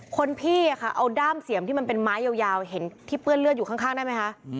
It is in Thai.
คนพี่เอาด้ามเสียมที่มันเป็นไม้ยาวเห็นที่เปื้อนเลือดอยู่ข้างได้ไหมคะ